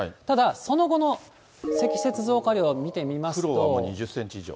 ただ、その後の積雪増加量を見てみますと。